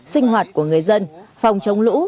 sinh hoạt của người dân phòng chống lũ